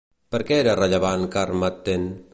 Per què era rellevant Carmarthen?